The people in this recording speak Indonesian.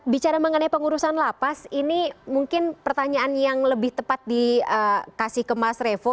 bicara mengenai pengurusan lapas ini mungkin pertanyaan yang lebih tepat dikasih ke mas revo